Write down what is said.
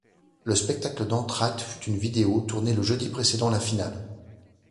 Le spectacle d'entracte fut une vidéo, tournée le jeudi précédant la finale.